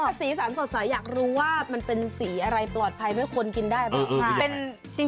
สีสันสดใสอยากรู้ว่ามันเป็นสีอะไรปลอดภัยเมื่อคนกินได้บ้าง